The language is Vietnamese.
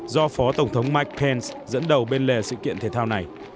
do phó tổng thống mike pence dẫn đầu bên lề sự kiện thể thao này